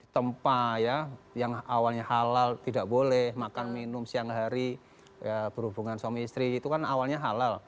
tempat ya yang awalnya halal tidak boleh makan minum siang hari berhubungan suami istri itu kan awalnya halal